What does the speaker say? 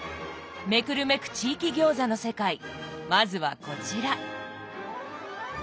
めくるめく地域餃子の世界まずはこちら。